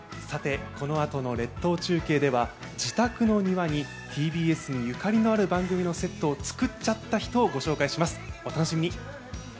さて、このあとの列島中継では自宅の庭にＴＢＳにゆかりのあるセットを作っちゃった人をご紹介します、お楽しみに。